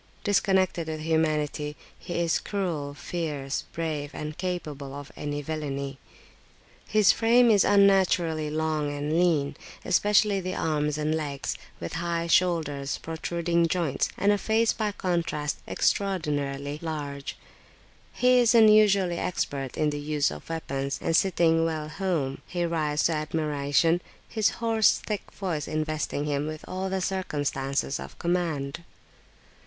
Disconnected with humanity, he is cruel, fierce, brave, and capable of any villany. His frame is unnaturally long and lean, especially the arms and legs, with high shoulders, protruding joints, and a face by contrast extraordinarily large; he is unusually expert in the use of weapons, and sitting well "home," he rides to admiration, his hoarse, thick voice investing him with all the circumstances of command.